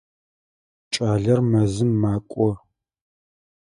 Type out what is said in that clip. Кӏалэр мэзым макӏо.